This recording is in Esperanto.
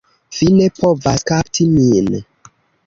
Vi ne povas kapti min!